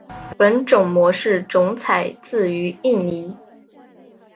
本种模式种采自于印尼。